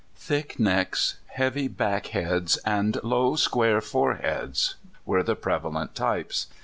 Thick necks, heavy back heads, and low, square foreheads, were the prevalent types.